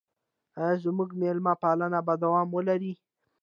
آیا زموږ میلمه پالنه به دوام ولري؟